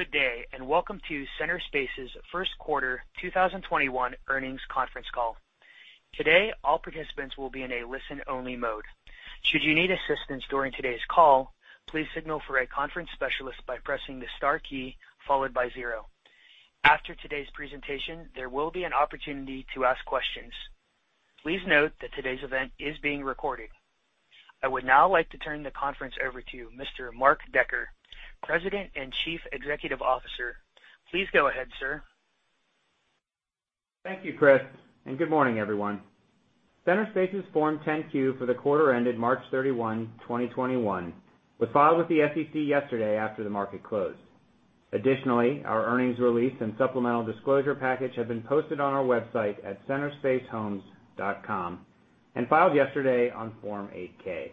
Good day, and welcome to Centerspace's first quarter 2021 earnings conference call. Today, all participants will be in a listen-only mode. Should you need assistance during today's call, please signal for a conference specialist by pressing the star key, followed by zero. After today's presentation, there will be an opportunity to ask questions. Please note that today's event is being recorded. I would now like to turn the conference over to Mr. Mark Decker, President and Chief Executive Officer. Please go ahead, sir. Thank you, Chris, and good morning, everyone. Centerspace's Form 10-Q for the quarter ended March 31, 2021, was filed with the SEC yesterday after the market closed. Our earnings release and supplemental disclosure package have been posted on our website at centerspacehomes.com and filed yesterday on Form 8-K.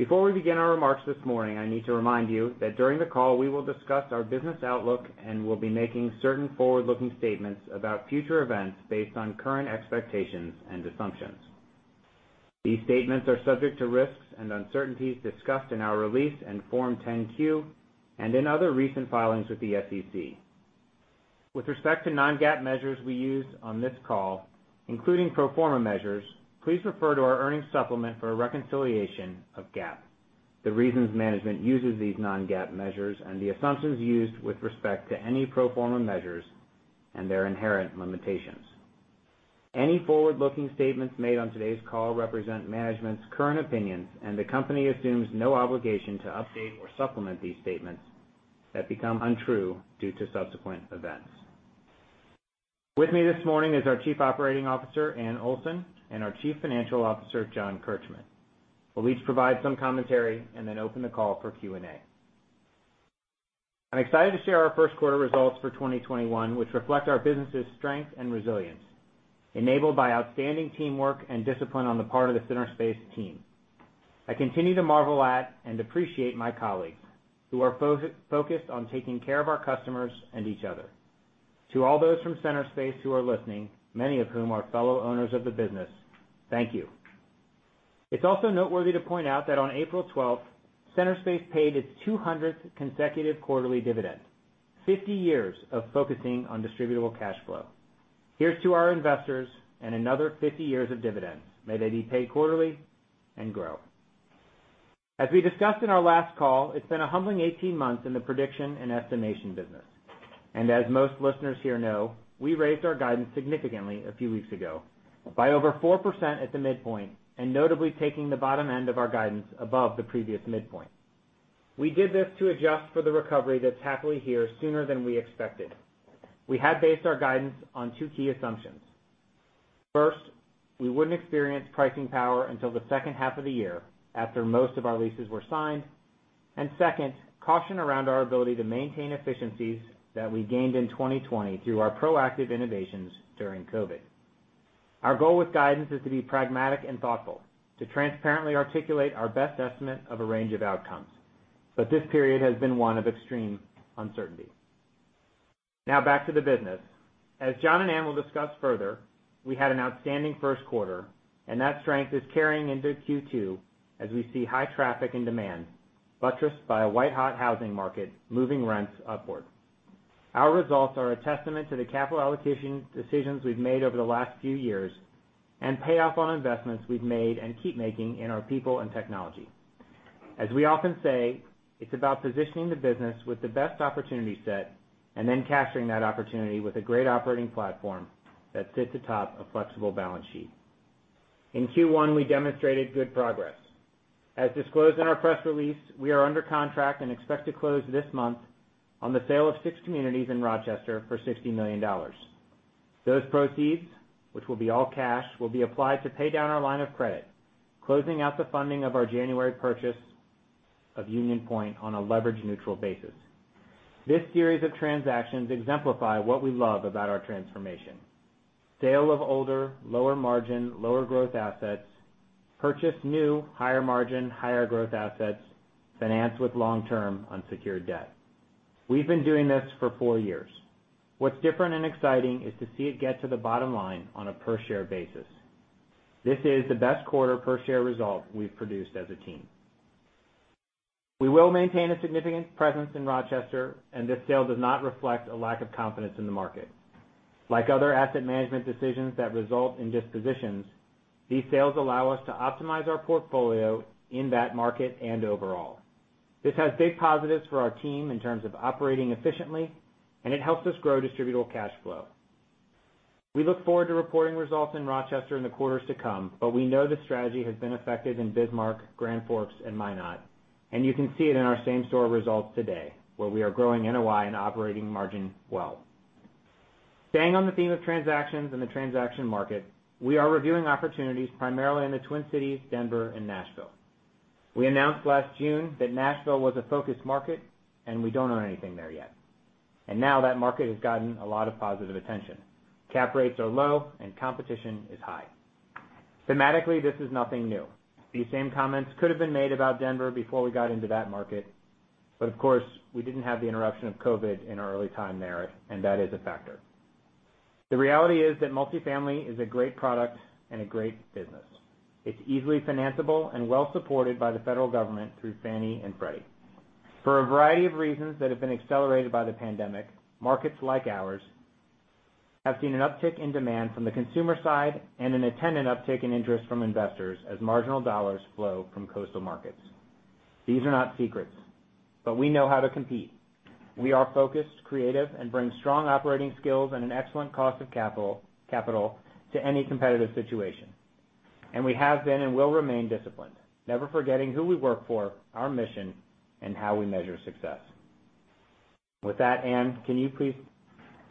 Before we begin our remarks this morning, I need to remind you that during the call, we will discuss our business outlook and will be making certain forward-looking statements about future events based on current expectations and assumptions. These statements are subject to risks and uncertainties discussed in our release and Form 10-Q and in other recent filings with the SEC. With respect to non-GAAP measures we use on this call, including pro forma measures, please refer to our earnings supplement for a reconciliation of GAAP, the reasons management uses these non-GAAP measures, and the assumptions used with respect to any pro forma measures and their inherent limitations. Any forward-looking statements made on today's call represent management's current opinions, and the company assumes no obligation to update or supplement these statements that become untrue due to subsequent events. With me this morning is our Chief Operating Officer, Anne Olson, and our Chief Financial Officer, Jon Kirchmann. We'll each provide some commentary and then open the call for Q&A. I'm excited to share our first quarter results for 2021, which reflect our business's strength and resilience, enabled by outstanding teamwork and discipline on the part of the Centerspace team. I continue to marvel at and appreciate my colleagues who are focused on taking care of our customers and each other. To all those from Centerspace who are listening, many of whom are fellow owners of the business, thank you. It's also noteworthy to point out that on April 12th, Centerspace paid its 200th consecutive quarterly dividend, 50 years of focusing on distributable cash flow. Here's to our investors and another 50 years of dividends. May they be paid quarterly and grow. As we discussed in our last call, it's been a humbling 18 months in the prediction and estimation business. As most listeners here know, we raised our guidance significantly a few weeks ago by over 4% at the midpoint, and notably taking the bottom end of our guidance above the previous midpoint. We did this to adjust for the recovery that's happily here sooner than we expected. We had based our guidance on two key assumptions. First, we wouldn't experience pricing power until the second half of the year after most of our leases were signed, and second, caution around our ability to maintain efficiencies that we gained in 2020 through our proactive innovations during COVID. Our goal with guidance is to be pragmatic and thoughtful, to transparently articulate our best estimate of a range of outcomes. This period has been one of extreme uncertainty. Back to the business. As Jon and Anne will discuss further, we had an outstanding first quarter, and that strength is carrying into Q2 as we see high traffic and demand buttressed by a white-hot housing market moving rents upward. Our results are a testament to the capital allocation decisions we've made over the last few years and payoff on investments we've made and keep making in our people and technology. As we often say, it's about positioning the business with the best opportunity set and then capturing that opportunity with a great operating platform that sits atop a flexible balance sheet. In Q1, we demonstrated good progress. As disclosed in our press release, we are under contract and expect to close this month on the sale of six communities in Rochester for $60 million. Those proceeds, which will be all cash, will be applied to pay down our line of credit, closing out the funding of our January purchase of Union Pointe on a leverage neutral basis. This series of transactions exemplify what we love about our transformation. Sale of older, lower margin, lower growth assets, purchase new higher margin, higher growth assets, finance with long-term unsecured debt. We've been doing this for four years. What's different and exciting is to see it get to the bottom line on a per-share basis. This is the best quarter per-share result we've produced as a team. We will maintain a significant presence in Rochester, and this sale does not reflect a lack of confidence in the market. Like other asset management decisions that result in dispositions, these sales allow us to optimize our portfolio in that market and overall. This has big positives for our team in terms of operating efficiently, and it helps us grow distributable cash flow. We look forward to reporting results in Rochester in the quarters to come, but we know the strategy has been effective in Bismarck, Grand Forks, and Minot, and you can see it in our same-store results today, where we are growing NOI and operating margin well. Staying on the theme of transactions and the transaction market, we are reviewing opportunities primarily in the Twin Cities, Denver, and Nashville. We announced last June that Nashville was a focused market, and we don't own anything there yet. Now that market has gotten a lot of positive attention. Cap rates are low and competition is high. Thematically, this is nothing new. These same comments could have been made about Denver before we got into that market, but of course, we didn't have the interruption of COVID in our early time there, and that is a factor. The reality is that multifamily is a great product and a great business. It's easily financeable and well-supported by the federal government through Fannie and Freddie. For a variety of reasons that have been accelerated by the pandemic, markets like ours have seen an uptick in demand from the consumer side and an attendant uptick in interest from investors as marginal dollars flow from coastal markets. These are not secrets, but we know how to compete. We are focused, creative, and bring strong operating skills and an excellent cost of capital to any competitive situation, and we have been and will remain disciplined, never forgetting who we work for, our mission, and how we measure success. With that, Anne, can you please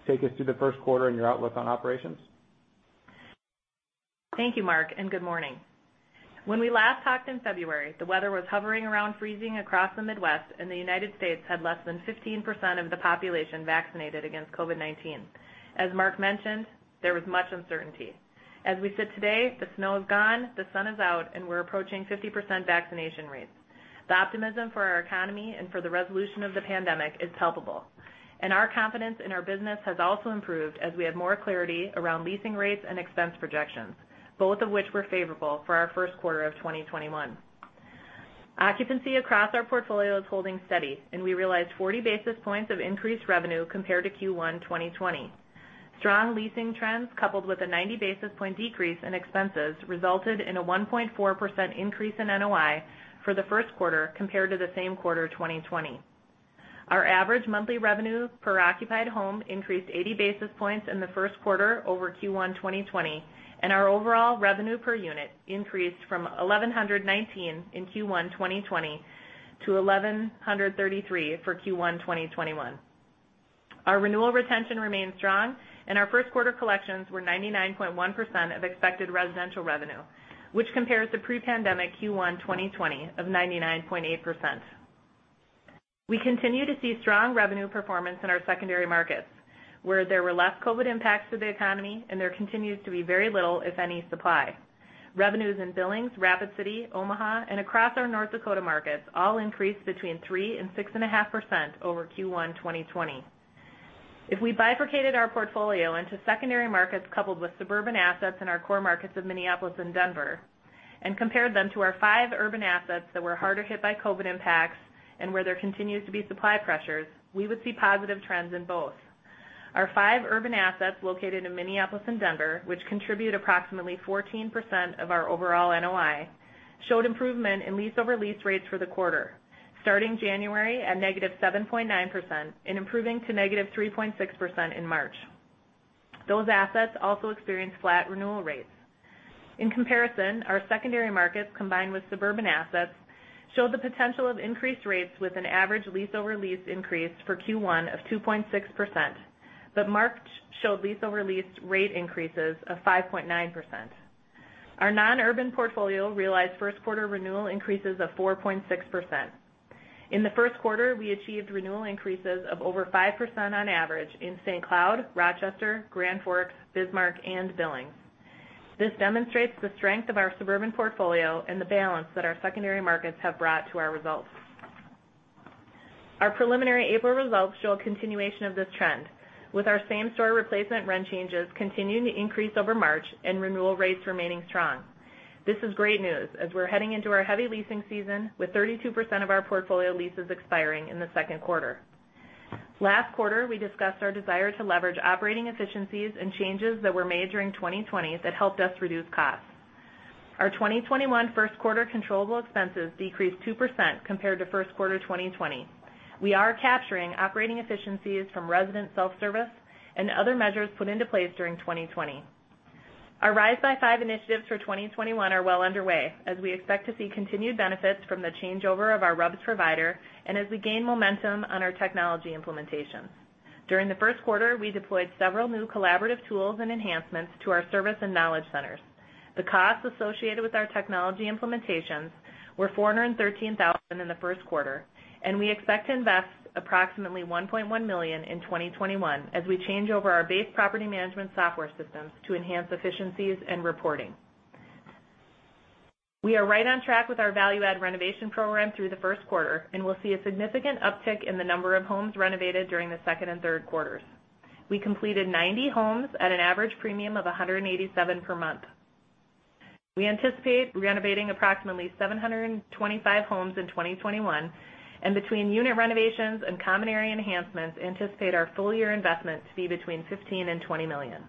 take us through the first quarter and your outlook on operations? Thank you, Mark, and good morning. When we last talked in February, the weather was hovering around freezing across the Midwest, and the United States had less than 15% of the population vaccinated against COVID-19. As Mark mentioned, there was much uncertainty. As we sit today, the snow is gone, the sun is out, and we're approaching 50% vaccination rates. The optimism for our economy and for the resolution of the pandemic is palpable, and our confidence in our business has also improved as we have more clarity around leasing rates and expense projections, both of which were favorable for our first quarter of 2021. Occupancy across our portfolio is holding steady, and we realized 40 basis points of increased revenue compared to Q1 2020. Strong leasing trends, coupled with a 90 basis point decrease in expenses, resulted in a 1.4% increase in NOI for the first quarter compared to the same quarter of 2020. Our average monthly revenue per occupied home increased 80 basis points in the first quarter over Q1 2020, and our overall revenue per unit increased from $1,119 in Q1 2020-$1,133 for Q1 2021. Our renewal retention remains strong, and our first quarter collections were 99.1% of expected residential revenue, which compares to pre-pandemic Q1 2020 of 99.8%. We continue to see strong revenue performance in our secondary markets, where there were less COVID impacts to the economy and there continues to be very little, if any, supply. Revenues in Billings, Rapid City, Omaha, and across our North Dakota markets all increased between 3% and 6.5% over Q1 2020. If we bifurcated our portfolio into secondary markets, coupled with suburban assets in our core markets of Minneapolis and Denver, and compared them to our five urban assets that were harder hit by COVID impacts and where there continues to be supply pressures, we would see positive trends in both. Our five urban assets, located in Minneapolis and Denver, which contribute approximately 14% of our overall NOI, showed improvement in lease-over-lease rates for the quarter, starting January at -7.9% and improving to -3.6% in March. Those assets also experienced flat renewal rates. In comparison, our secondary markets, combined with suburban assets, showed the potential of increased rates with an average lease-over-lease increase for Q1 of 2.6%. Mark showed lease-over-lease rate increases of 5.9%. Our non-urban portfolio realized first quarter renewal increases of 4.6%. In the first quarter, we achieved renewal increases of over 5% on average in St. Cloud, Rochester, Grand Forks, Bismarck, and Billings. This demonstrates the strength of our suburban portfolio and the balance that our secondary markets have brought to our results. Our preliminary April results show a continuation of this trend, with our same store replacement rent changes continuing to increase over March and renewal rates remaining strong. This is great news, as we're heading into our heavy leasing season with 32% of our portfolio leases expiring in the second quarter. Last quarter, we discussed our desire to leverage operating efficiencies and changes that were made during 2020 that helped us reduce costs. Our 2021 first quarter controllable expenses decreased 2% compared to first quarter 2020. We are capturing operating efficiencies from resident self-service and other measures put into place during 2020. Our RISE BY 5 initiatives for 2021 are well underway, as we expect to see continued benefits from the changeover of our RUBS provider and as we gain momentum on our technology implementations. During the first quarter, we deployed several new collaborative tools and enhancements to our service and knowledge centers. The costs associated with our technology implementations were $413,000 in the first quarter, and we expect to invest approximately $1.1 million in 2021 as we change over our base property management software systems to enhance efficiencies and reporting. We are right on track with our value add renovation program through the first quarter and will see a significant uptick in the number of homes renovated during the second and third quarters. We completed 90 homes at an average premium of $187 per month. We anticipate renovating approximately 725 homes in 2021, and between unit renovations and common area enhancements, anticipate our full year investment to be between $15 million and $20 million.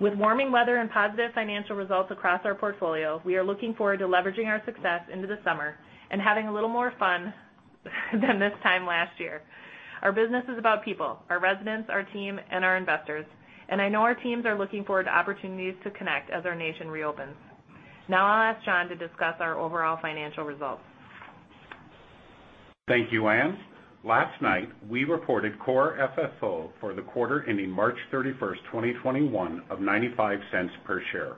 With warming weather and positive financial results across our portfolio, we are looking forward to leveraging our success into the summer and having a little more fun than this time last year. Our business is about people, our residents, our team, and our investors, and I know our teams are looking forward to opportunities to connect as our nation reopens. Now I'll ask Jon to discuss our overall financial results. Thank you, Anne. Last night, we reported core FFO for the quarter ending March 31, 2021 of $0.95 per share,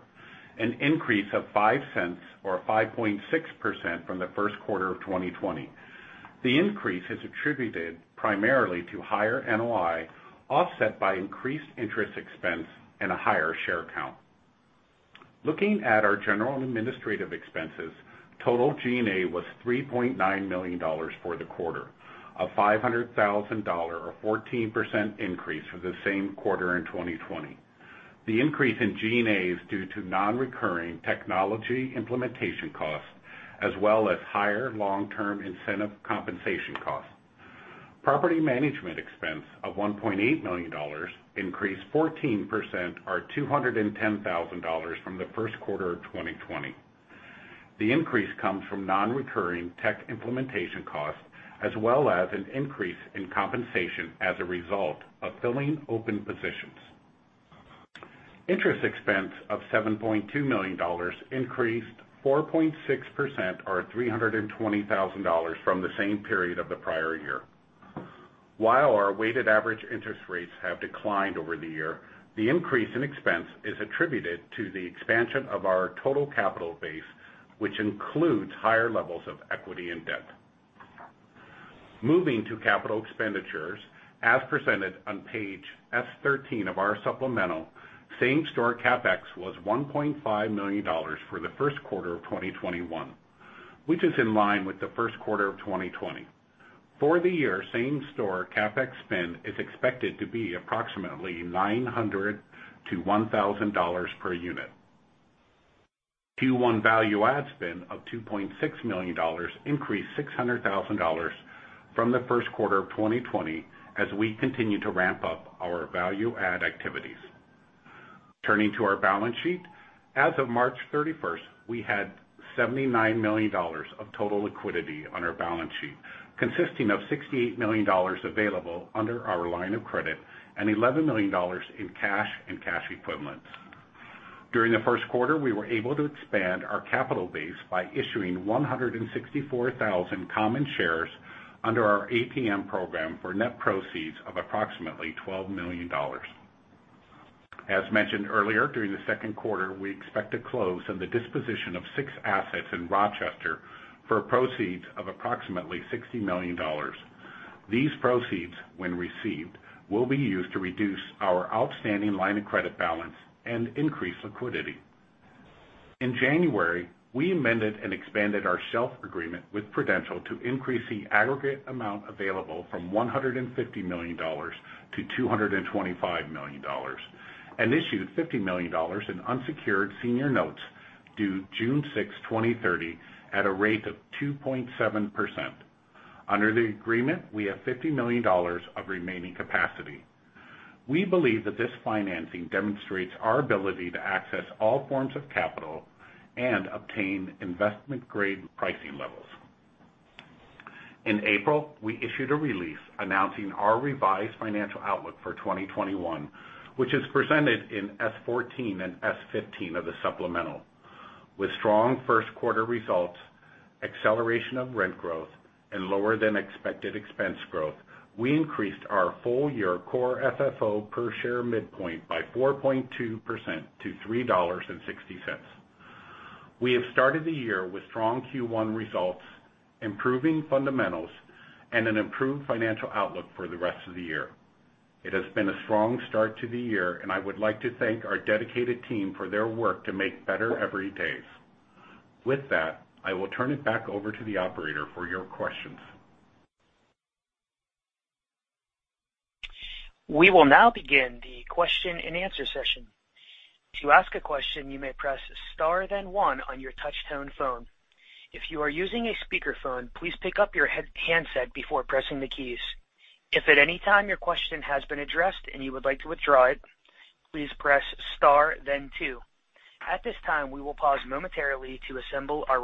an increase of $0.05 or 5.6% from the first quarter of 2020. The increase is attributed primarily to higher NOI offset by increased interest expense and a higher share count. Looking at our general and administrative expenses, total G&A was $3.9 million for the quarter, a $500,000 or 14% increase from the same quarter in 2020. The increase in G&A is due to non-recurring technology implementation costs as well as higher long-term incentive compensation costs. Property management expense of $1.8 million increased 14%, or $210,000 from the first quarter of 2020. The increase comes from non-recurring tech implementation costs as well as an increase in compensation as a result of filling open positions. Interest expense of $7.2 million increased 4.6%, or $320,000 from the same period of the prior year. While our weighted average interest rates have declined over the year, the increase in expense is attributed to the expansion of our total capital base, which includes higher levels of equity and debt. Moving to capital expenditures, as presented on page S13 of our supplemental, same-store CapEx was $1.5 million for the first quarter of 2021, which is in line with the first quarter of 2020. For the year, same-store CapEx spend is expected to be approximately $900-$1,000 per unit. Q1 value add spend of $2.6 million, increased $600,000 from the first quarter of 2020, as we continue to ramp up our value add activities. Turning to our balance sheet. As of March 31st, we had $79 million of total liquidity on our balance sheet, consisting of $68 million available under our line of credit and $11 million in cash and cash equivalents. During the first quarter, we were able to expand our capital base by issuing 164,000 common shares under our ATM program for net proceeds of approximately $12 million. As mentioned earlier, during the second quarter, we expect to close on the disposition of six assets in Rochester for proceeds of approximately $60 million. These proceeds, when received, will be used to reduce our outstanding line of credit balance and increase liquidity. In January, we amended and expanded our shelf agreement with Prudential to increase the aggregate amount available from $150 million to $225 million, and issued $50 million in unsecured senior notes due June 6, 2030, at a rate of 2.7%. Under the agreement, we have $50 million of remaining capacity. We believe that this financing demonstrates our ability to access all forms of capital and obtain investment-grade pricing levels. In April, we issued a release announcing our revised financial outlook for 2021, which is presented in S14 and S15 of the supplemental. With strong first quarter results, acceleration of rent growth, and lower than expected expense growth, we increased our full-year core FFO per share midpoint by 4.2% to $3.60. We have started the year with strong Q1 results, improving fundamentals, and an improved financial outlook for the rest of the year. It has been a strong start to the year, and I would like to thank our dedicated team for their work to make better every days. With that, I will turn it back over to the operator for your questions. We will now begin the question and answer session. To ask a question, you may press star then 1 on your touchtone phone. If you are using a speakerphone, please pick up your handset before pressing the keys. If at any time your question has been addressed and you would like to withdraw it, please press star then 2. At this time, we will pause momentarily to assemble our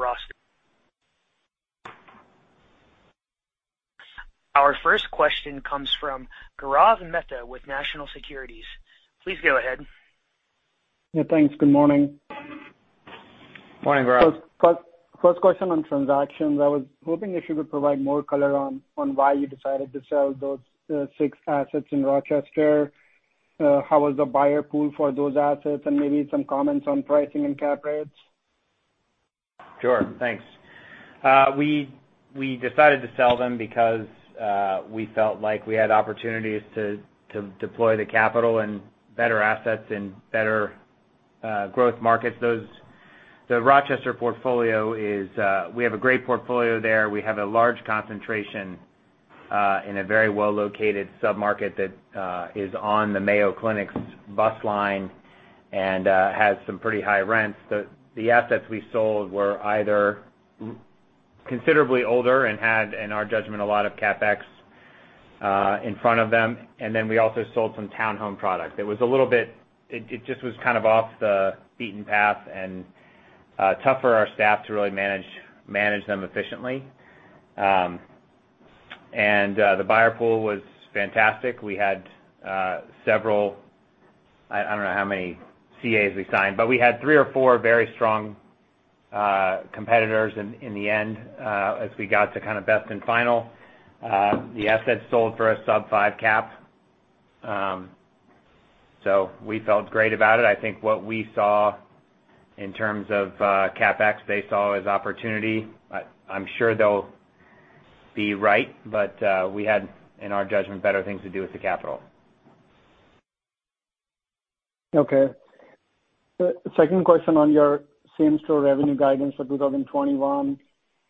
roster. Our first question comes from Gaurav Mehta with National Securities. Please go ahead. Yeah, thanks. Good morning. Morning, Gaurav. First question on transactions. I was hoping if you could provide more color on why you decided to sell those six assets in Rochester. How was the buyer pool for those assets? Maybe some comments on pricing and cap rates. Sure. Thanks. We decided to sell them because we felt like we had opportunities to deploy the capital and better assets in better growth markets. We have a great portfolio there. We have a large concentration in a very well-located sub-market that is on the Mayo Clinic's bus line and has some pretty high rents. The assets we sold were either considerably older and had, in our judgment, a lot of CapEx in front of them, and then we also sold some townhome product. It just was kind of off the beaten path and tough for our staff to really manage them efficiently. The buyer pool was fantastic. We had several, I don't know how many CAs we signed, but we had three or four very strong competitors in the end as we got to kind of best and final. The assets sold for a sub five cap. We felt great about it. I think what we saw in terms of CapEx, they saw as opportunity. I'm sure they'll Be right. We had, in our judgment, better things to do with the capital. Okay. Second question on your same-store revenue guidance for 2021.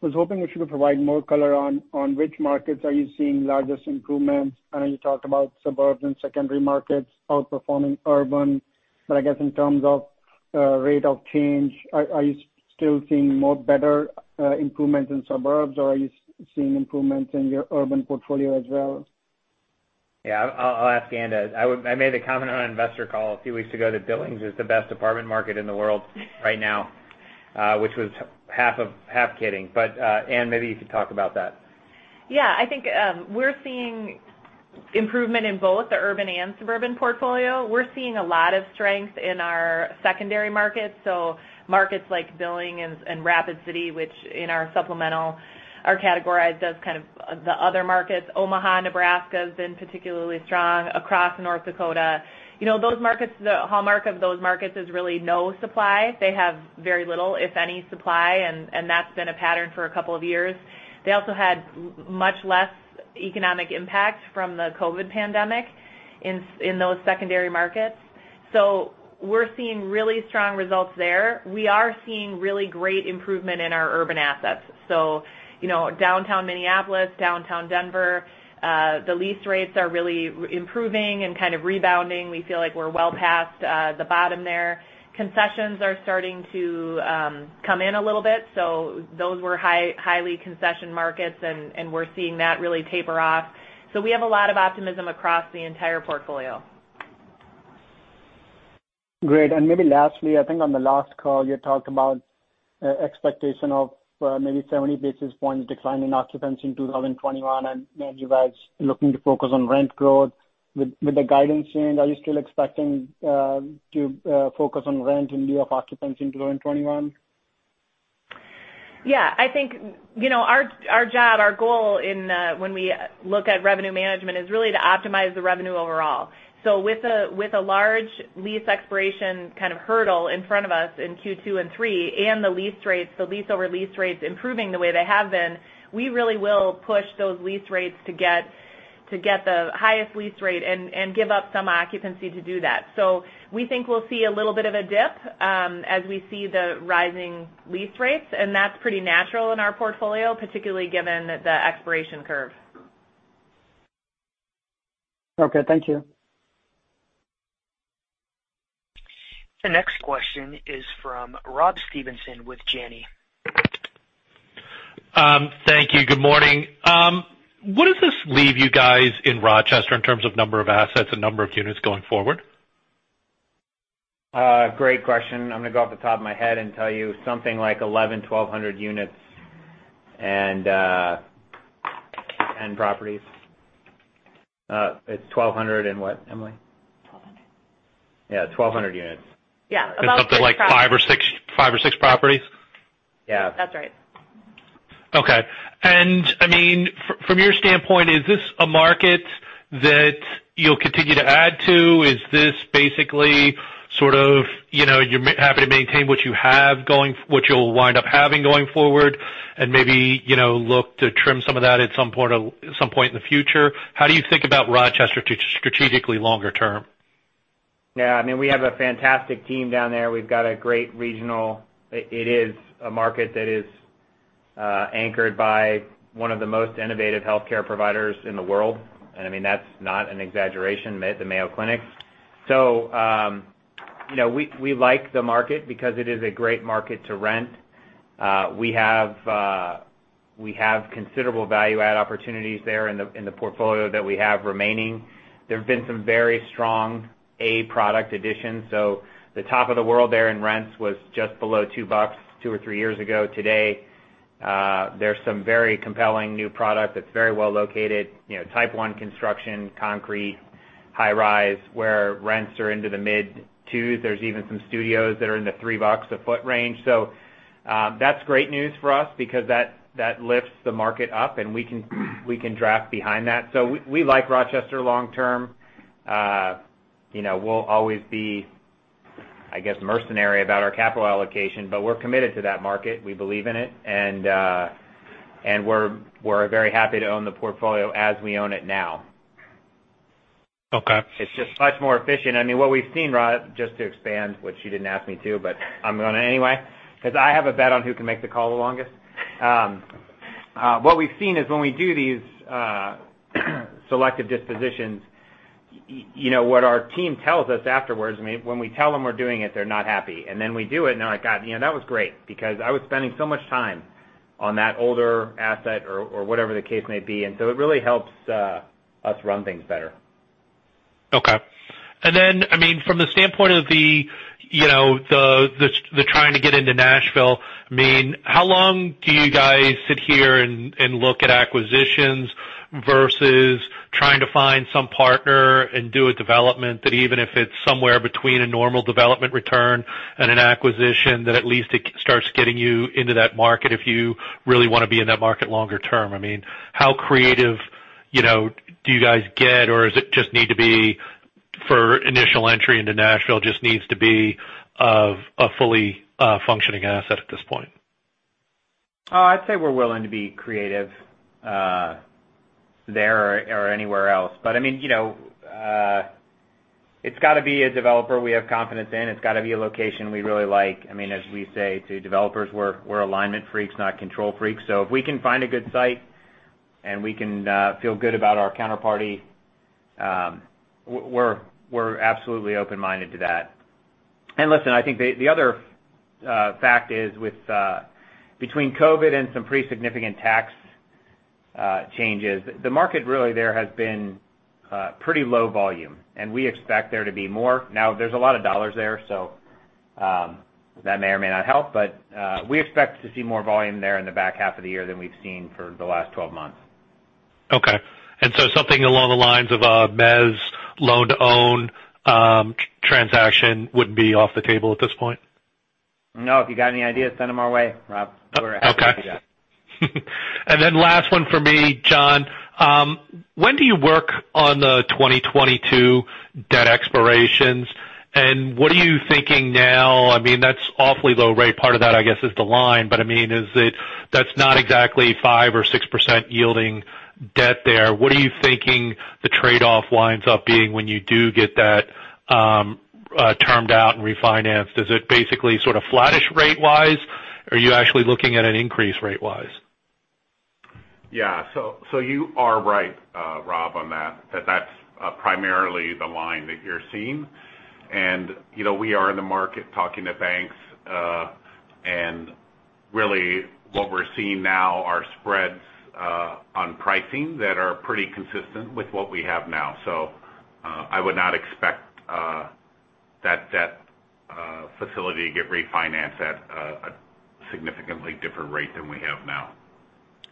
Was hoping if you could provide more color on which markets are you seeing largest improvements. I know you talked about suburbs and secondary markets outperforming urban, but I guess in terms of rate of change, are you still seeing more better improvements in suburbs, or are you seeing improvements in your urban portfolio as well? Yeah. I'll ask Anne that. I made a comment on investor call a few weeks ago that Billings is the best apartment market in the world right now, which was half kidding. Anne, maybe you could talk about that. Yeah, I think, we're seeing improvement in both the urban and suburban portfolio. We're seeing a lot of strength in our secondary markets. Markets like Billings and Rapid City, which in our supplemental, are categorized as kind of the other markets. Omaha, Nebraska has been particularly strong, across North Dakota. The hallmark of those markets is really no supply. They have very little, if any, supply, and that's been a pattern for a couple of years. They also had much less economic impact from the COVID pandemic in those secondary markets. We're seeing really strong results there. We are seeing really great improvement in our urban assets. Downtown Minneapolis, downtown Denver, the lease rates are really improving and kind of rebounding. We feel like we're well past the bottom there. Concessions are starting to come in a little bit. Those were highly concessioned markets, and we're seeing that really taper off. We have a lot of optimism across the entire portfolio. Great. Maybe lastly, I think on the last call, you talked about expectation of maybe 70 basis points decline in occupancy in 2021, and maybe you guys looking to focus on rent growth. With the guidance change, are you still expecting to focus on rent in lieu of occupancy in 2021? I think, our job, our goal when we look at revenue management is really to optimize the revenue overall. With a large lease expiration kind of hurdle in front of us in Q2 and 3, and the lease rates, the lease-over-lease rates improving the way they have been, we really will push those lease rates to get the highest lease rate and give up some occupancy to do that. We think we'll see a little bit of a dip, as we see the rising lease rates, and that's pretty natural in our portfolio, particularly given the expiration curve. Okay. Thank you. The next question is from Rob Stevenson with Janney. Thank you. Good morning. Where does this leave you guys in Rochester in terms of number of assets and number of units going forward? Great question. I'm gonna go off the top of my head and tell you something like 1,100, 1,200 units and properties. It's 1,200 and what, Emily? 1,200. Yeah, 1,200 units. Yeah. Something like five or six properties? Yeah. That's right. Okay. From your standpoint, is this a market that you'll continue to add to? Is this basically sort of, you're happy to maintain what you'll wind up having going forward, and maybe look to trim some of that at some point in the future? How do you think about Rochester strategically longer term? Yeah. We have a fantastic team down there. It is a market that is anchored by one of the most innovative healthcare providers in the world. That's not an exaggeration, the Mayo Clinic. We like the market because it is a great market to rent. We have considerable value add opportunities there in the portfolio that we have remaining. There have been some very strong A product additions. The top of the world there in rents was just below $2 two or three years ago. Today, there's some very compelling new product that's very well located, type 1 construction, concrete, high rise, where rents are into the mid twos. There's even some studios that are in the $3 a foot range. That's great news for us because that lifts the market up, and we can draft behind that. We like Rochester long term. We'll always be, I guess, mercenary about our capital allocation, but we're committed to that market. We believe in it. We're very happy to own the portfolio as we own it now. Okay. It's just much more efficient. What we've seen, Rob, just to expand, which you didn't ask me to, but I'm going to anyway, because I have a bet on who can make the call the longest. What we've seen is when we do these selective dispositions, what our team tells us afterwards, when we tell them we're doing it, they're not happy. We do it, and they're like, "God, that was great because I was spending so much time on that older asset," or whatever the case may be. It really helps us run things better. Okay. From the standpoint of the trying to get into Nashville, how long do you guys sit here and look at acquisitions versus trying to find some partner and do a development that even if it's somewhere between a normal development return and an acquisition, that at least it starts getting you into that market if you really want to be in that market longer term? How creative do you guys get, or For initial entry into Nashville just needs to be of a fully functioning asset at this point? Oh, I'd say we're willing to be creative there or anywhere else. It's got to be a developer we have confidence in. It's got to be a location we really like. As we say to developers, we're alignment freaks, not control freaks. If we can find a good site, and we can feel good about our counterparty, we're absolutely open-minded to that. Listen, I think the other fact is between COVID and some pretty significant tax changes, the market really there has been pretty low volume, and we expect there to be more. There's a lot of dollars there, so that may or may not help, but we expect to see more volume there in the back half of the year than we've seen for the last 12 months. Okay. Something along the lines of a mezz loan-to-own transaction wouldn't be off the table at this point? No. If you got any ideas, send them our way, Rob. We're happy to do that. Okay. Last one for me, Jon. When do you work on the 2022 debt expirations, what are you thinking now? That's awfully low rate. Part of that, I guess, is the line, that's not exactly 5% or 6% yielding debt there. What are you thinking the trade-off winds up being when you do get that termed out and refinanced? Is it basically sort of flattish rate-wise, are you actually looking at an increase rate-wise? Yeah. You are right, Rob, on that's primarily the line that you're seeing. We are in the market talking to banks. Really what we're seeing now are spreads on pricing that are pretty consistent with what we have now. I would not expect that debt facility to get refinanced at a significantly different rate than we have now.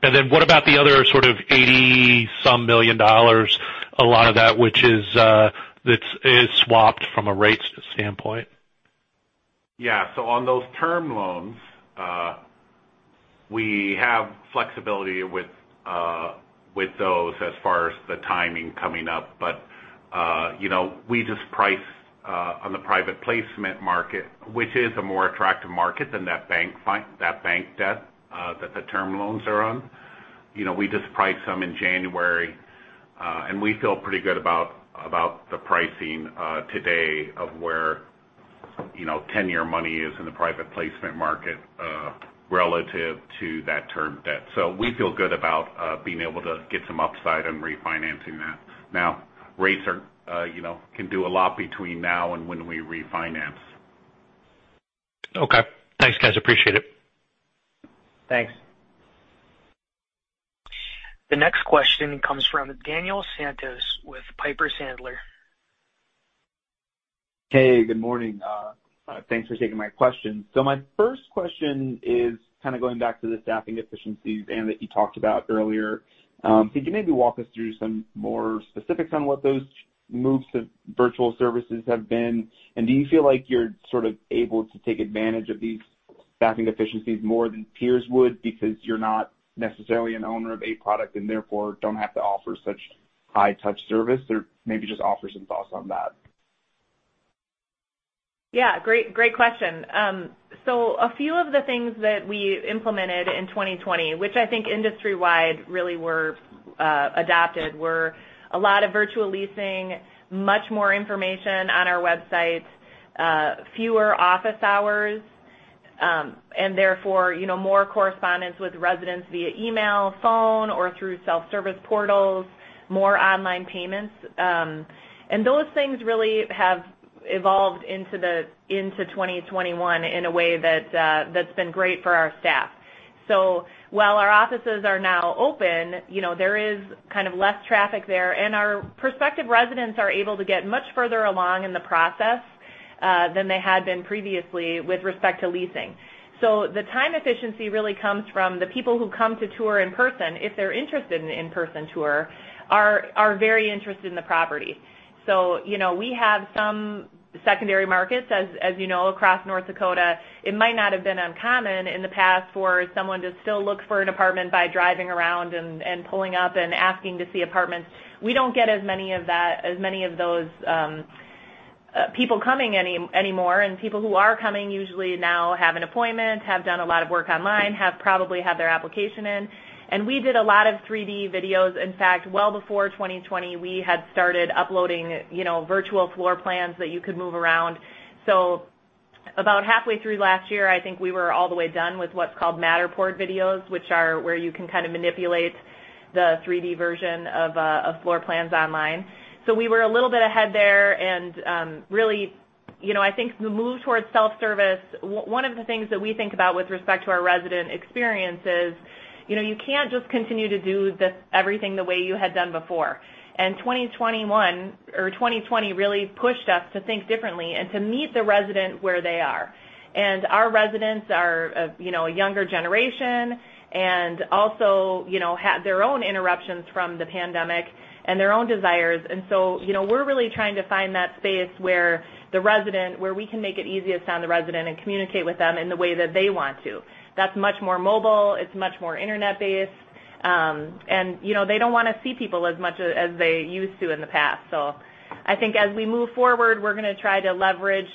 What about the other sort of $80 some million, a lot of that which is swapped from a rates standpoint? Yeah. On those term loans, we have flexibility with those as far as the timing coming up. We just priced on the private placement market, which is a more attractive market than that bank debt that the term loans are on. We just priced some in January. We feel pretty good about the pricing today of where 10-year money is in the private placement market relative to that term debt. We feel good about being able to get some upside on refinancing that. Now, rates can do a lot between now and when we refinance. Okay. Thanks, guys. Appreciate it. Thanks. The next question comes from Daniel Santos with Piper Sandler. Hey, good morning. Thanks for taking my question. My first question is kind of going back to the staffing efficiencies, Anne, that you talked about earlier. Can you maybe walk us through some more specifics on what those moves to virtual services have been? Do you feel like you're sort of able to take advantage of these staffing efficiencies more than peers would because you're not necessarily an owner of a product and therefore don't have to offer such high touch service? Maybe just offer some thoughts on that. Yeah. Great question. A few of the things that we implemented in 2020, which I think industry-wide really were adopted, were a lot of virtual leasing, much more information on our websites, fewer office hours, and therefore, more correspondence with residents via email, phone, or through self-service portals, more online payments. Those things really have evolved into 2021 in a way that's been great for our staff. While our offices are now open, there is kind of less traffic there, and our prospective residents are able to get much further along in the process than they had been previously with respect to leasing. The time efficiency really comes from the people who come to tour in person, if they're interested in in-person tour, are very interested in the property. We have some secondary markets as you know, across North Dakota. It might not have been uncommon in the past for someone to still look for an apartment by driving around and pulling up and asking to see apartments. We don't get as many of those people coming anymore. People who are coming usually now have an appointment, have done a lot of work online, have probably had their application in. We did a lot of 3D videos. In fact, well before 2020, we had started uploading virtual floor plans that you could move around. About halfway through last year, I think we were all the way done with what's called Matterport videos, which are where you can kind of manipulate the 3D version of floor plans online. We were a little bit ahead there and really I think the move towards self-service, one of the things that we think about with respect to our resident experience is, you can't just continue to do everything the way you had done before. 2021 or 2020 really pushed us to think differently and to meet the resident where they are. Our residents are a younger generation and also had their own interruptions from the pandemic and their own desires. We're really trying to find that space where we can make it easiest on the resident and communicate with them in the way that they want to. That's much more mobile. It's much more internet-based. And they don't want to see people as much as they used to in the past. I think as we move forward, we're going to try to leverage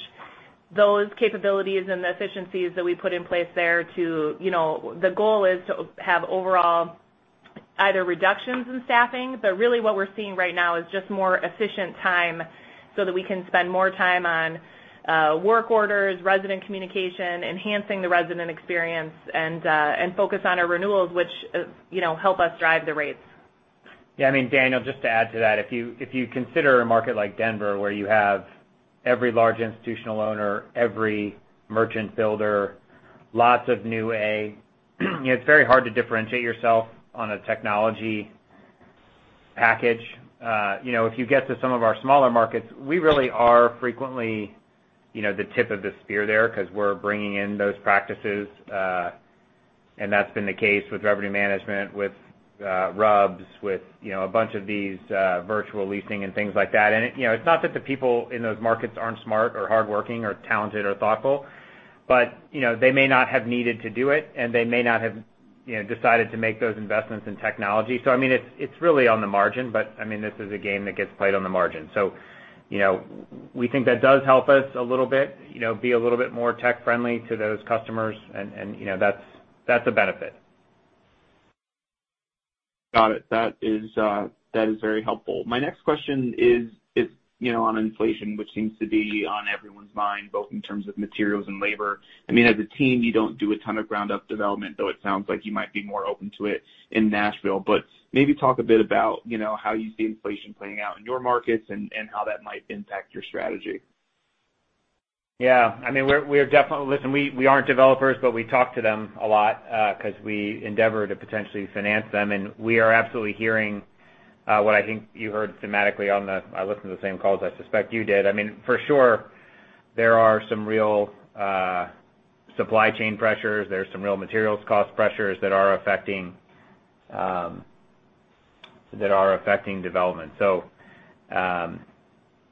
those capabilities and the efficiencies that we put in place there. The goal is to have overall either reductions in staffing. Really what we're seeing right now is just more efficient time so that we can spend more time on work orders, resident communication, enhancing the resident experience, and focus on our renewals, which help us drive the rates. Yeah. Daniel, just to add to that, if you consider a market like Denver, where you have every large institutional owner, every merchant builder, lots of new A, it's very hard to differentiate yourself on a technology package. If you get to some of our smaller markets, we really are frequently the tip of the spear there because we're bringing in those practices. That's been the case with revenue management, with RUBS, with a bunch of these virtual leasing and things like that. It's not that the people in those markets aren't smart or hardworking or talented or thoughtful, but they may not have needed to do it, and they may not have decided to make those investments in technology. It's really on the margin, but this is a game that gets played on the margin. We think that does help us a little bit, be a little bit more tech-friendly to those customers, and that's a benefit. Got it. That is very helpful. My next question is on inflation, which seems to be on everyone's mind, both in terms of materials and labor. As a team, you don't do a ton of ground-up development, though it sounds like you might be more open to it in Nashville. Maybe talk a bit about how you see inflation playing out in your markets and how that might impact your strategy. Yeah. Listen, we aren't developers, but we talk to them a lot because we endeavor to potentially finance them, and we are absolutely hearing what I think you heard thematically. I listened to the same calls I suspect you did. Sure, there are some real supply chain pressures. There's some real materials cost pressures that are affecting development.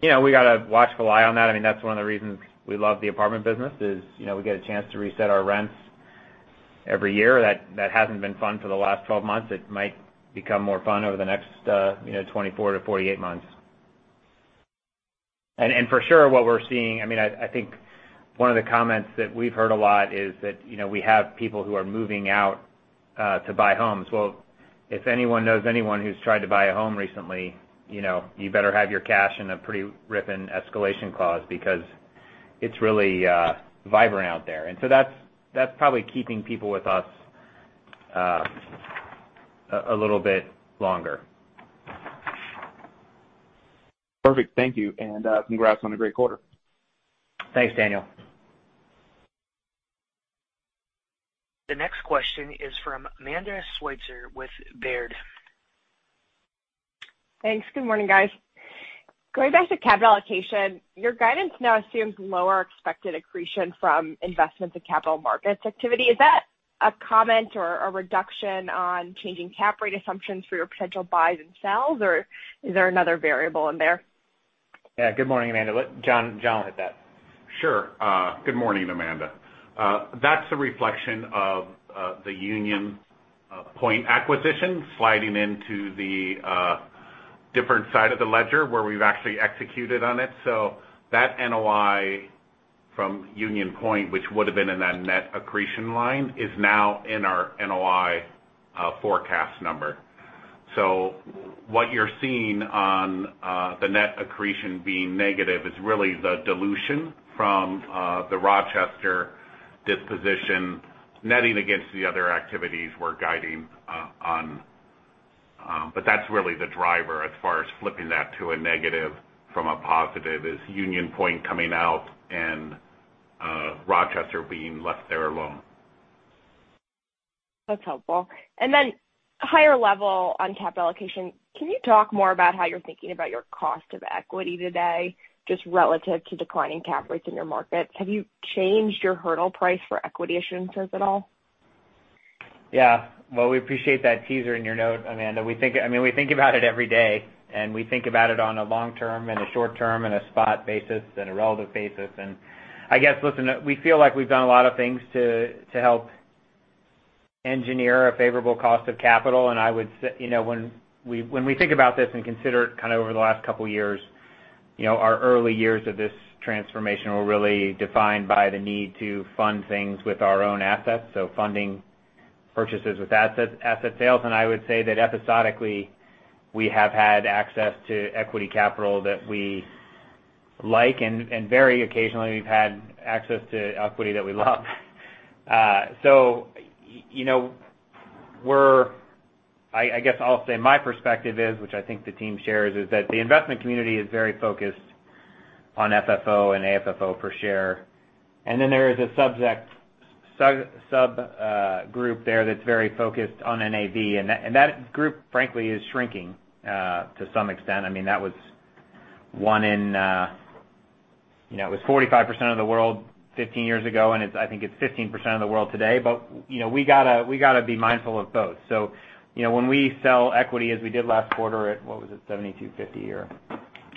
We've got to watch the eye on that. That's one of the reasons we love the apartment business is we get a chance to reset our rents every year. That hasn't been fun for the last 12 months. It might become more fun over the next 24-48 months. For sure, what we're seeing, I think one of the comments that we've heard a lot is that we have people who are moving out to buy homes. Well, if anyone knows anyone who's tried to buy a home recently, you better have your cash in a pretty ripping escalation clause because it's really vibrant out there. That's probably keeping people with us a little bit longer. Perfect. Thank you, and congrats on a great quarter. Thanks, Daniel. The next question is from Amanda Sweitzer with Baird. Thanks. Good morning, guys. Going back to capital allocation, your guidance now assumes lower expected accretion from investments in capital markets activity. Is that a comment or a reduction on changing cap rate assumptions for your potential buys and sells, or is there another variable in there? Yeah. Good morning, Amanda. Jon will hit that. Sure. Good morning, Amanda. That's a reflection of the Union Pointe acquisition sliding into the different side of the ledger where we've actually executed on it. That NOI from Union Pointe, which would've been in that net accretion line, is now in our NOI forecast number. What you're seeing on the net accretion being negative is really the dilution from the Rochester disposition netting against the other activities we're guiding on. That's really the driver as far as flipping that to a negative from a positive, is Union Pointe coming out and Rochester being left there alone. That's helpful. Higher level on capital allocation, can you talk more about how you're thinking about your cost of equity today, just relative to declining cap rates in your markets? Have you changed your hurdle price for equity issuances at all? Yeah. Well, we appreciate that teaser in your note, Amanda Sweitzer. We think about it every day, and we think about it on a long-term and a short-term and a spot basis and a relative basis. I guess, listen, we feel like we've done a lot of things to help engineer a favorable cost of capital. When we think about this and consider it over the last couple of years, our early years of this transformation were really defined by the need to fund things with our own assets, so funding purchases with asset sales. I would say that episodically, we have had access to equity capital that we like, and very occasionally, we've had access to equity that we love. I guess I'll say my perspective is, which I think the team shares, is that the investment community is very focused on FFO and AFFO per share. There is a sub-group there that's very focused on NAV. That group, frankly, is shrinking to some extent. That was 45% of the world 15 years ago, and I think it's 15% of the world today. We got to be mindful of both. When we sell equity as we did last quarter at, what was it, $72.50 or-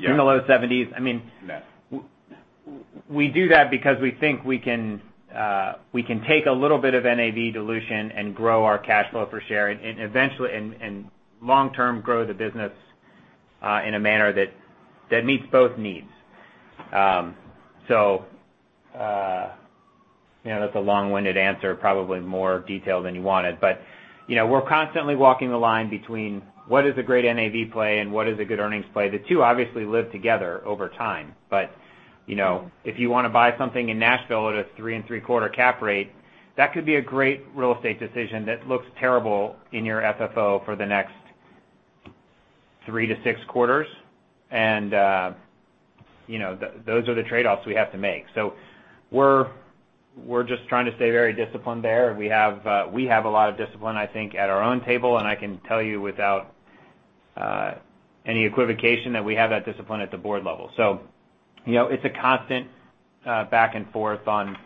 Yeah in the low seventies. I mean. Yeah We do that because we think we can take a little bit of NAV dilution and grow our cash flow per share, and long-term, grow the business in a manner that meets both needs. That's a long-winded answer, probably more detailed than you wanted. We're constantly walking the line between what is a great NAV play and what is a good earnings play. The two obviously live together over time. If you want to buy something in Nashville at a three and three-quarter cap rate, that could be a great real estate decision that looks terrible in your FFO for the next three to six quarters. Those are the trade-offs we have to make. We're just trying to stay very disciplined there. We have a lot of discipline, I think, at our own table, and I can tell you without any equivocation that we have that discipline at the board level. It's a constant back and forth on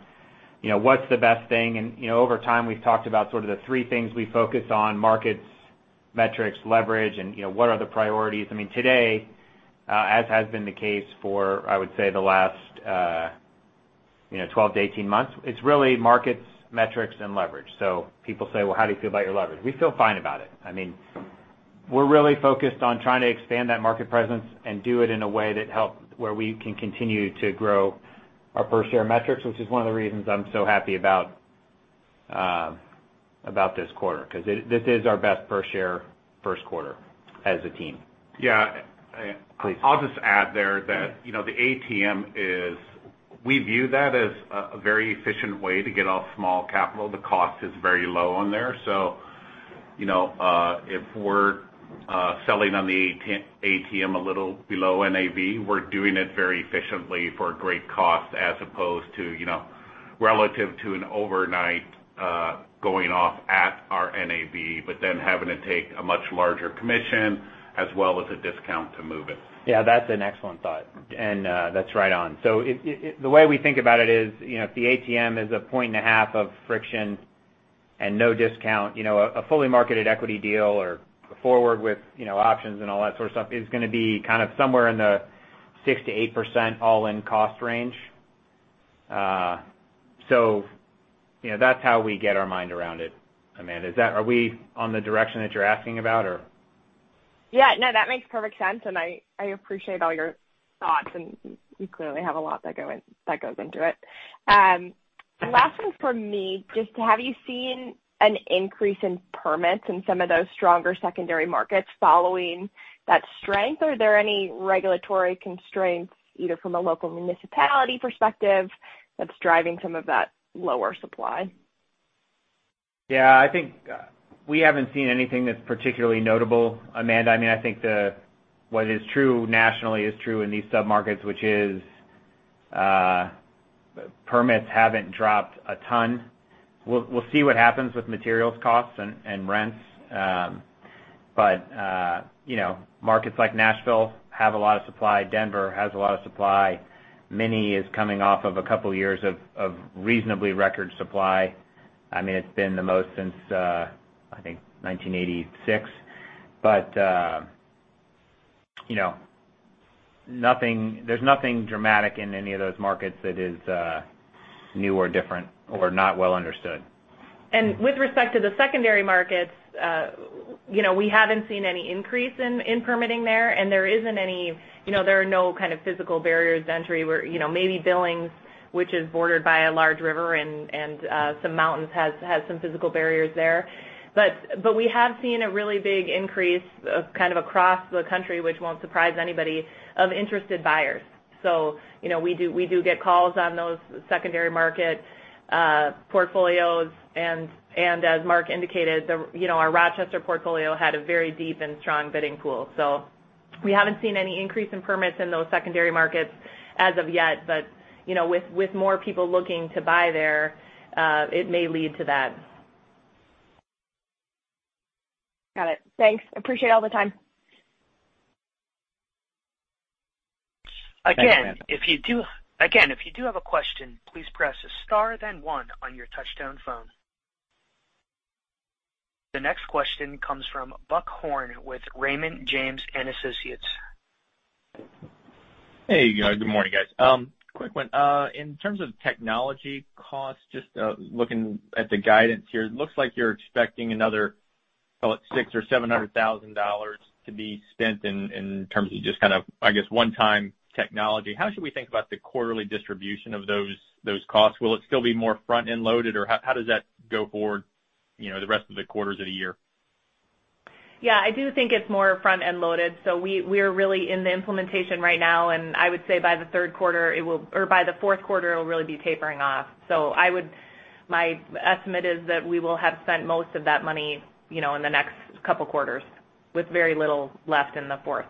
what's the best thing. Over time, we've talked about sort of the three things we focus on, markets, metrics, leverage, and what are the priorities. I mean, today, as has been the case for, I would say, the last 12 to 18 months, it's really markets, metrics, and leverage. People say, "Well, how do you feel about your leverage?" We feel fine about it. I mean, we're really focused on trying to expand that market presence and do it in a way that help where we can continue to grow our per-share metrics, which is one of the reasons I'm so happy about this quarter, because this is our best per-share first quarter as a team. Yeah. Please. I'll just add there that we view the ATM as a very efficient way to get off small capital. The cost is very low on there. If we're selling on the ATM a little below NAV, we're doing it very efficiently for a great cost as opposed to relative to an overnight going off at our NAV, but then having to take a much larger commission as well as a discount to move it. Yeah, that's an excellent thought, and that's right on. The way we think about it is, if the ATM is a point and a half of friction and no discount, a fully marketed equity deal or a forward with options and all that sort of stuff is going to be kind of somewhere in the 6%-8% all-in cost range. That's how we get our mind around it, Amanda. Are we on the direction that you're asking about, or? Yeah, no, that makes perfect sense, and I appreciate all your thoughts, and you clearly have a lot that goes into it. Last one from me, just have you seen an increase in permits in some of those stronger secondary markets following that strength, or are there any regulatory constraints, either from a local municipality perspective, that's driving some of that lower supply? Yeah, I think we haven't seen anything that's particularly notable, Amanda. I mean, I think what is true nationally is true in these sub-markets, which is, permits haven't dropped a ton. We'll see what happens with materials costs and rents. Markets like Nashville have a lot of supply. Denver has a lot of supply. Minneapolis is coming off of a couple years of reasonably record supply. I mean, it's been the most since, I think, 1986. There's nothing dramatic in any of those markets that is new or different or not well understood. With respect to the secondary markets, we haven't seen any increase in permitting there. There are no kind of physical barriers to entry where maybe Billings, which is bordered by a large river and some mountains, has some physical barriers there. We have seen a really big increase of kind of across the country, which won't surprise anybody, of interested buyers. We do get calls on those secondary market portfolios. As Mark indicated, our Rochester portfolio had a very deep and strong bidding pool. We haven't seen any increase in permits in those secondary markets as of yet. With more people looking to buy there, it may lead to that. Got it. Thanks. Appreciate all the time. Thanks, Amanda. Again, if you do have a question, please press star then one on your touch-tone phone. The next question comes from Buck Horne with Raymond James & Associates. Hey, good morning, guys. Quick one. In terms of technology costs, just looking at the guidance here, it looks like you're expecting another, call it $600,000 or $700,000 to be spent in terms of just kind of, I guess, one-time technology. How should we think about the quarterly distribution of those costs? Will it still be more front-end loaded, or how does that go forward the rest of the quarters of the year? Yeah, I do think it's more front-end loaded. We are really in the implementation right now, and I would say by the third quarter, or by the fourth quarter, it'll really be tapering off. My estimate is that we will have spent most of that money in the next couple quarters with very little left in the fourth.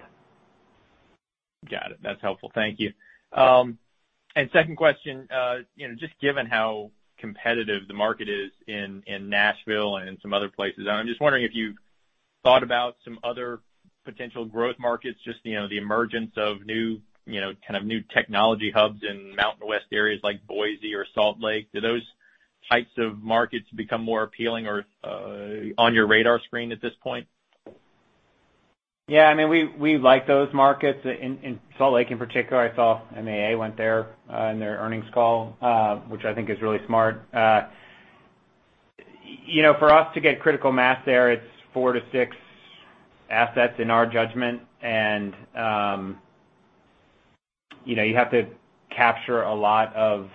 Got it. That's helpful. Thank you. Second question, just given how competitive the market is in Nashville and in some other places, I'm just wondering if you've thought about some other potential growth markets, just the emergence of kind of new technology hubs in Mountain West areas like Boise or Salt Lake. Do those types of markets become more appealing or on your radar screen at this point? Yeah. I mean, we like those markets. In Salt Lake, in particular, I saw MAA went there in their earnings call, which I think is really smart. For us to get critical mass there, it's four to six assets in our judgment. You have to capture a lot of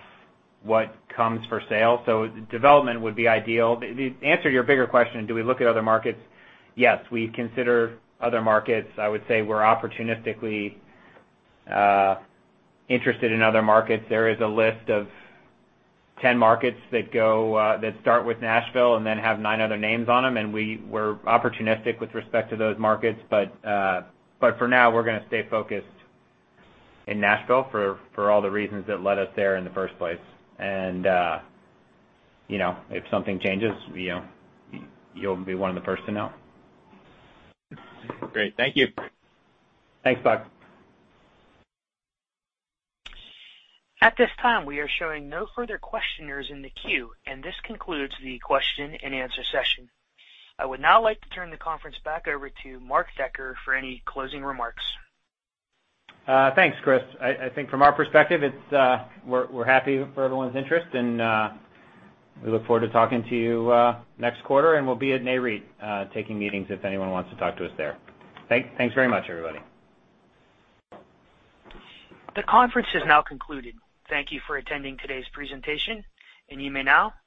what comes for sale. Development would be ideal. The answer to your bigger question, do we look at other markets? Yes, we consider other markets. I would say we're opportunistically interested in other markets. There is a list of 10 markets that start with Nashville and then have nine other names on them. We're opportunistic with respect to those markets. For now, we're going to stay focused in Nashville for all the reasons that led us there in the first place. If something changes, you'll be one of the first to know. Great. Thank you. Thanks, Buck. At this time, we are showing no further questioners in the queue, and this concludes the question-and-answer session. I would now like to turn the conference back over to Mark Decker for any closing remarks. Thanks, Chris. I think from our perspective, we're happy for everyone's interest, and we look forward to talking to you next quarter, and we'll be at Nareit taking meetings if anyone wants to talk to us there. Thanks very much, everybody. The conference is now concluded. Thank you for attending today's presentation. You may now disconnect.